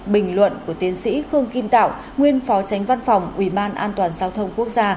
bình luận của tiến sĩ khương kim tạo nguyên phó tránh văn phòng ủy ban an toàn giao thông quốc gia